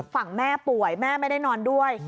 ฝั่งแม่ป่วยแม่ไม่ได้นอนด้วย